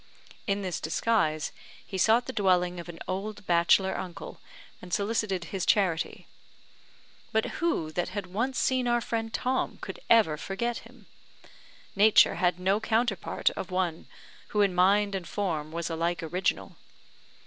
In this disguise he sought the dwelling of an old bachelor uncle, and solicited his charity. But who that had once seen our friend Tom could ever forget him? Nature had no counterpart of one who in mind and form was alike original.